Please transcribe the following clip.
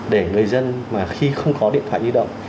để người dân mà khi không có điện thoại di động